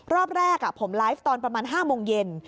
รอบแรกผมไลฟ์ตอนประมาณ๕โมงเย็น